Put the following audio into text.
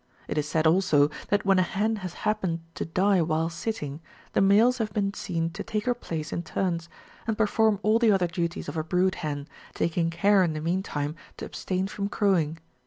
It is said also that when a hen has happened to die while sitting, the males have been seen to take her place in turns, and perform all the other duties of a brood hen, taking care in the meantime to abstain from crow ing.